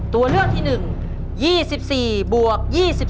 ตัวเลือกที่๑๒๔บวก๒๔